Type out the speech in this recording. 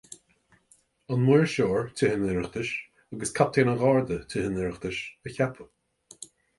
An Maoirseoir, Tithe an Oireachtais, agus Captaen an Gharda, Tithe an Oireachtais, a cheapadh.